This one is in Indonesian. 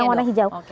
yang warna hijau